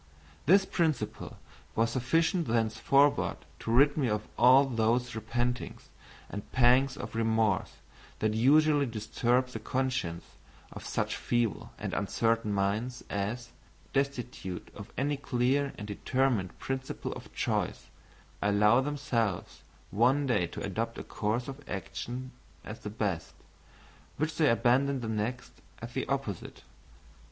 This principle was sufficient thenceforward to rid me of all those repentings and pangs of remorse that usually disturb the consciences of such feeble and uncertain minds as, destitute of any clear and determinate principle of choice, allow themselves one day to adopt a course of action as the best, which they abandon the next, as the opposite.